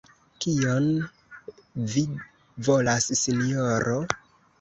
Kion vi volas, sinjoro?